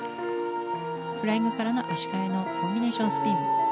フライングからの足換えのコンビネーションスピン。